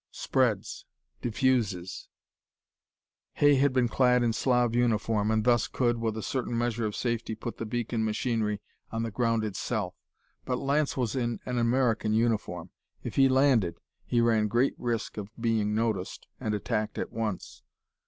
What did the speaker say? Spreads, diffuses. Hay had been clad in Slav uniform, and thus could, with a certain measure of safety, put the beacon machinery on the ground itself. But Lance was in American uniform; if he landed, he ran great risk of being noticed and attacked at once.